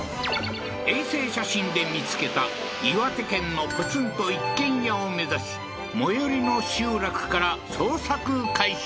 衛星写真で見つけた岩手県のポツンと一軒家を目指し最寄りの集落から捜索開始